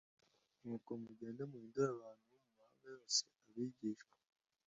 Nuko mugende muhindure abantu bo mu mahanga yose abigishwa